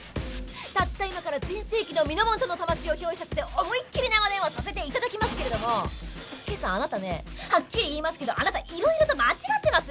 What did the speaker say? たった今から全盛期のみのもんたの魂を憑依させて「おもいッきり生電話」させて頂きますけれどもＫさんあなたねはっきり言いますけどあなたいろいろと間違ってますよ。